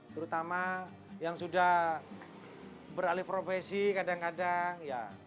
terutama yang sudah beralih profesi kadang kadang ya